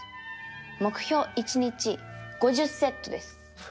目標１日５０セットです。